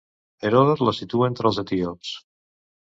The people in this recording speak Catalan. Heròdot la situa entre els etíops.